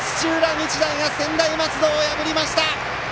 日大が専大松戸を破りました！